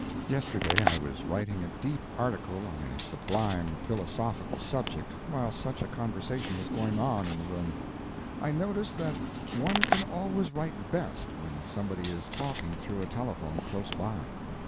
Yesterday I was writing a deep article on a sublime philosophical subject while such a conversation was going on in the room. I notice that one can always write best when somebody is talking through a telephone close by.